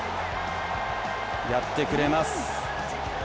やってくれます。